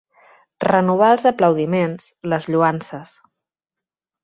Renovar els aplaudiments, les lloances.